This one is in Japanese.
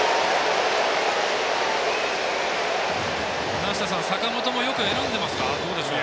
梨田さん、坂本もよく選んでますか？